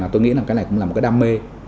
tôi nghĩ là cái này cũng là một cái đam mê